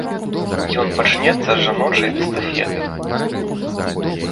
Ён пачнецца з жаночай эстафеты.